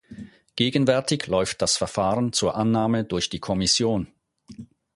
Gegenwärtig läuft das Verfahren zur Annahme durch die Kommission.